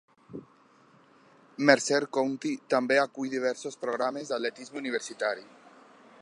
Mercer County també acull diversos programes d'atletisme universitari.